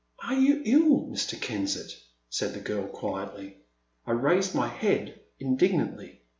Are you ill, Mr. Kensett?" said the girl, quietly. I raised my head indignantly.